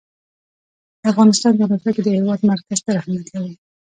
د افغانستان جغرافیه کې د هېواد مرکز ستر اهمیت لري.